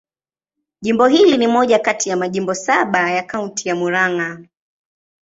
Jimbo hili ni moja kati ya majimbo saba ya Kaunti ya Murang'a.